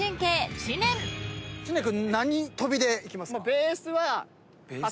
知念君何跳びでいきますか？